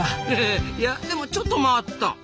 へへへいやでもちょっと待った。